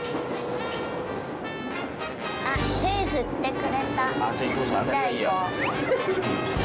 あっ手振ってくれた。